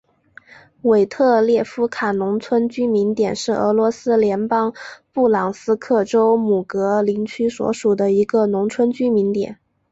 韦特列夫卡农村居民点是俄罗斯联邦布良斯克州姆格林区所属的一个农村居民点。